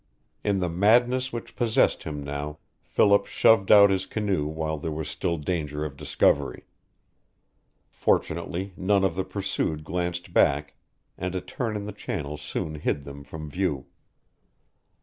In the madness which possessed him now Philip shoved out his canoe while there was still danger of discovery. Fortunately none of the pursued glanced back, and a turn in the channel soon hid them from view.